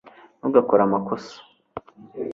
ntugakore amakosa